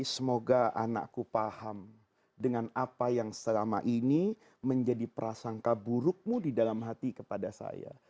semoga anakku paham dengan apa yang selama ini menjadi prasangka burukmu di dalam hati kepada saya